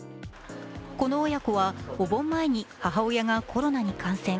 この親子は、お盆前に母親がコロナに感染。